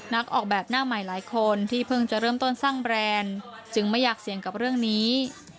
นักออกแบบหน้าใหม่หลายคนที่เพิ่งจะเริ่มต้นสร้างแบรนด์จึงไม่อยากเสี่ยงกับเรื่องนี้